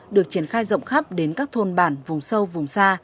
được triển khai rộng khắp đến các thôn bản vùng sâu vùng xa